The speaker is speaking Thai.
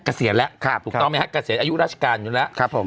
เกษียณแล้วถูกต้องไหมฮะเกษียณอายุราชการอยู่แล้วครับผม